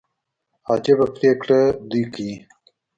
عجبه پرېکړي دوى کيي.